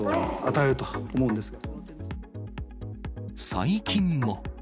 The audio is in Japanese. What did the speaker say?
最近も。